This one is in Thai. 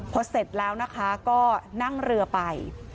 พอเสร็จแล้วนะคะก็นั่งเรือไป